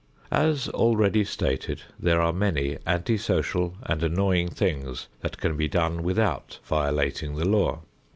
As already stated, there are many anti social and annoying things that can be done without violating the law.